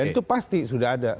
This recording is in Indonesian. dan itu pasti sudah ada